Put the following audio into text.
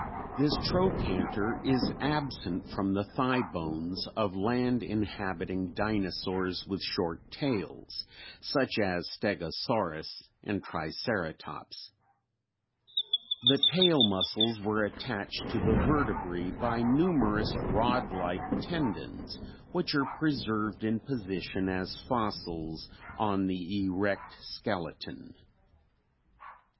This trochanter is absent from the thigh bones of land inhabiting dinosaurs with short tails, such as Stegosaurus and Triceratops. The tail muscles were attached to the vertebrae by numerous rod like tendons which are preserved in position as fossils on the erect skeleton.